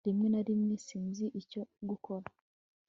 rimwe na rimwe sinzi icyo gukora